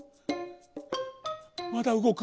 まだうごく？